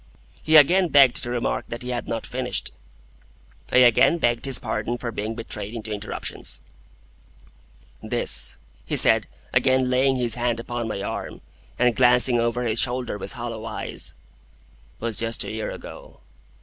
He again begged to remark that he had not finished. I again begged his pardon for being betrayed into interruptions. "This," he said, again laying his hand upon my arm, and glancing over his shoulder with hollow eyes, "was just a year ago.